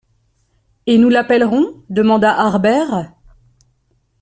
Et nous l’appellerons?... demanda Harbert